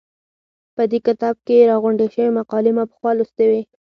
په دې کتاب کې راغونډې شوې مقالې ما پخوا لوستې وې.